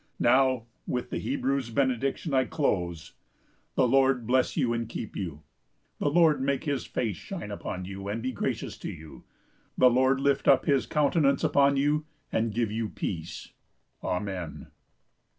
Now, with the Hebrew's benediction, I close: 'The Lord bless you and keep you. The Lord make his face shine upon you, and be gracious to you. The Lord lift up his countenance upon you, and given you peace.' Amen."